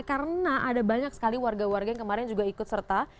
karena ada banyak sekali warga warga yang kemarin juga ikut serta